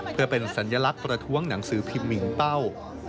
เพื่อเป็นสัญลักษณ์ประท้วงหนังสือพิมพ์มิงเป้า